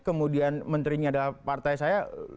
kemudian menterinya adalah partai saya